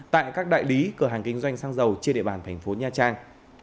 tại các đại lý cửa hàng kinh doanh xăng dầu trên địa bàn thành phố nha trang